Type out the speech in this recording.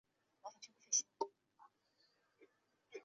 中华民国外交陷入困境。